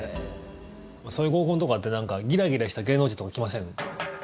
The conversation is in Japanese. そういう合コンとかってギラギラした芸能人とか来ません？